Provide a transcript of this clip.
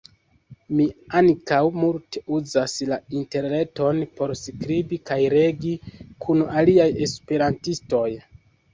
Mi ankaŭ multe uzas la interreton por skribi kaj legi kun aliaj esperantistoj.